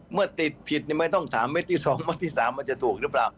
เมื่อติดผิดไม่ต้องถามเม็ดที่๒เม็ดที่๓มันจะถูกหรือเปล่า